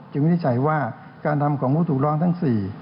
วินิจฉัยว่าการทำของผู้ถูกร้องทั้ง๔